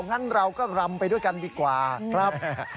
งั้นเราก็รำไปด้วยกันดีกว่าครับ